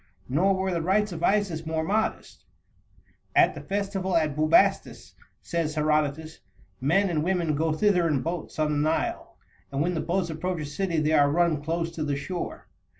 Nor were the rites of Isis more modest. "At the festival at Bubastis," says Herodotus, "men and women go thither in boats on the Nile, and when the boats approach a city they are run close to the shore.